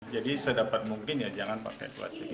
jadi sedapat mungkin ya jangan pakai plastik